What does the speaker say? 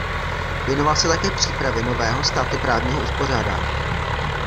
Věnoval se také přípravě nového státoprávního uspořádání.